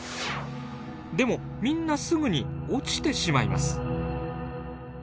でもみんなすぐに落ちてしまいます。